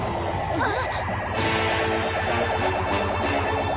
あっ。